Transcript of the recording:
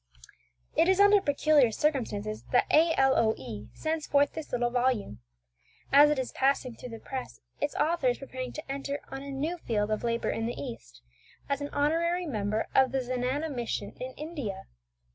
It is under peculiar circumstances that A. L. O. E. sends forth this little volume. As it is passing through the press its author is preparing to enter on a new field of labour in the East, as an honorary member of the Zenana Mission in India.